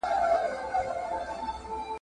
منډېلا ثابته کړه چې یو لوی مشر دی.